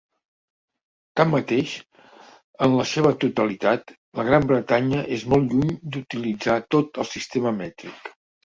Tanmateix, en la seva totalitat, la Gran Bretanya és molt lluny d'utilitzar tot el sistema mètric.